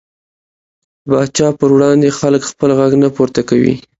پاچا پر وړاندې خلک خپل غږ نه پورته کوي .